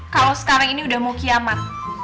kalau sekarang ini udah mau kiamat